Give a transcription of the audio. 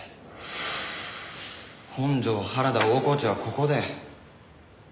本条原田大河内はここで。